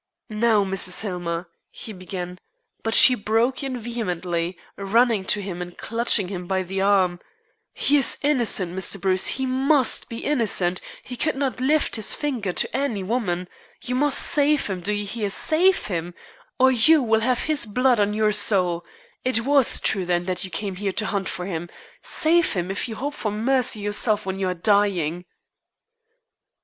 "Now, Mrs. Hillmer," he began; but she broke in vehemently, running to him and clutching him by the arm: "He is innocent, Mr. Bruce. He must be innocent. He could not lift his finger to any woman. You must save him do you hear? save him, or you will have his blood on your soul. It was true, then, that you came here to hunt for him. Save him, if you hope for mercy yourself when you are dying."